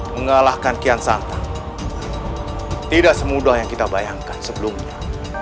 mengalahkan kian santa tidak semudah yang kita bayangkan sebelumnya